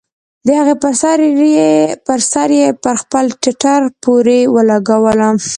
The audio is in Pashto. د هغې سر يې پر خپل ټټر پورې ولګاوه.